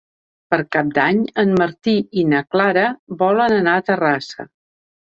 Per Cap d'Any en Martí i na Clara volen anar a Terrassa.